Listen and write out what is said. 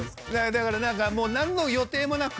だから何か何の予定もなく。